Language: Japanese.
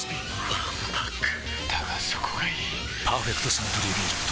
わんぱくだがそこがいい「パーフェクトサントリービール糖質ゼロ」